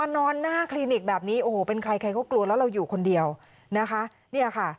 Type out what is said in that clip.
มานอนหน้าคลินิกแบบนี่โอ้โหเป็นใครก็กลัวแล้วเราอยู่คนเดียวนะคะ